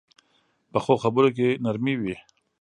پخو خبرو کې نرمي وي